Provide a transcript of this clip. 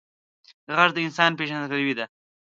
غږ د انسان پیژندګلوي ده